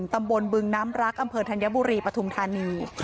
ตำบลบึงน้ำรักอำเภอธัญบุรีปฐุมธานี